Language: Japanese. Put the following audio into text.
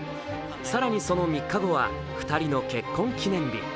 更にその３日後は２人の結婚記念日。